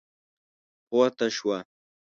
پورته شوه.